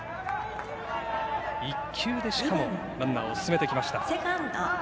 １球で、しかもランナーを進めてきました。